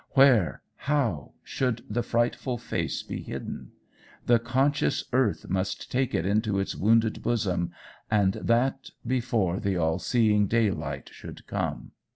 Where, how, should the frightful face be hidden? The conscious earth must take it into its wounded bosom, and that before the all seeing daylight should come.